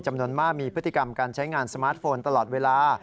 จำนวนมากมีพฤติกรรมการใช้งานสมาร์ทโฟนตลอดเวลา